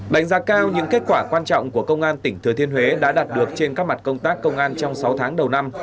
đánh giá cao những kết quả quan trọng của công an tỉnh thừa thiên huế đã đạt được trên các mặt công tác công an trong sáu tháng đầu năm